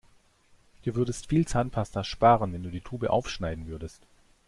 Du würdest viel Zahnpasta sparen, wenn du die Tube aufschneiden würdest.